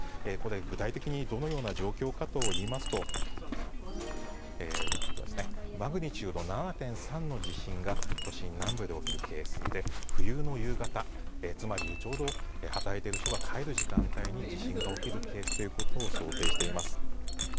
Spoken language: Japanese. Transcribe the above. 具体的にどのような状況かといいますとマグニチュード７．３の地震が都心南部で起きるケースで冬の夕方つまり、ちょうど働いている人が帰る時間帯に地震が起きるケースを想定しています。